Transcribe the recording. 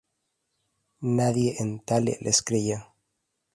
Nadie en Tale les creyó.